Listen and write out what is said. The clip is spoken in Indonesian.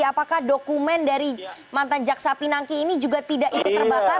apakah dokumen dari mantan jaksa pinangki ini juga tidak ikut terbakar